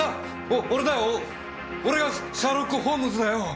お俺だよ俺がシャーロック・ホームズだよ！